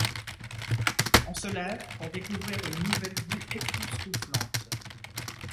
on se lève pour découvrir une nouvelle vue époustouflante.